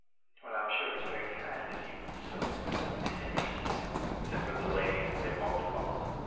"I'm sure it's very kind of you, and so disinterested!" simpered the lady as they walked along.